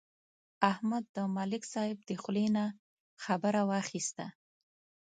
احمد د ملک صاحب د خولې نه خبره واخیسته.